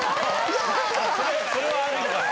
それはあるのか。